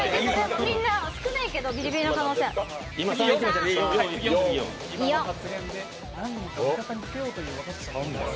みんな少ないけどビリビリの可能性あるダウト。